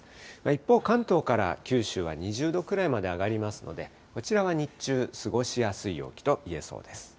一方、関東から九州は２０度くらいまで上がりますので、こちらは日中、過ごしやすい陽気といえそうです。